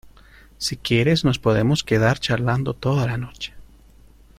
si quieres, nos podemos quedar charlando toda la noche.